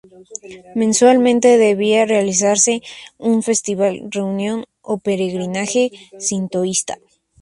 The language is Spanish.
Mensualmente debía realizarse un festival, reunión o peregrinaje sintoísta.